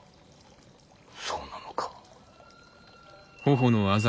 そうなのか。